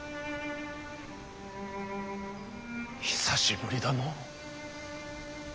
久しぶりだのう。